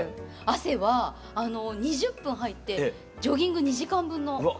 汗は２０分入ってジョギング２時間分の。